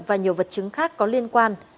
và nhiều vật chứng khác có liên quan